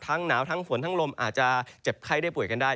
หนาวทั้งฝนทั้งลมอาจจะเจ็บไข้ได้ป่วยกันได้